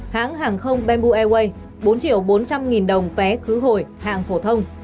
hãng hàng không bamboo airways bốn triệu bốn trăm linh nghìn đồng vé khứ hồi hạng phổ thông